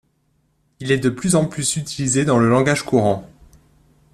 Il est de plus en plus utilisé dans le langage courant.